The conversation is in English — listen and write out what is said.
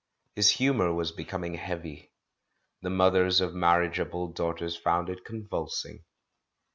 His humour was becoming heavy. The mothers of marriageable daughters found it convulsing.